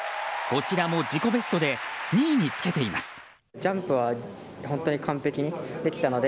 こちらも自己ベストで２位につけています。